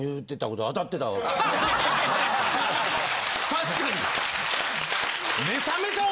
・確かに！